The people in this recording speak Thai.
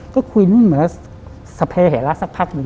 ก็คุยนู่นเหมือนกับสะเพหราะสักพักหนึ่ง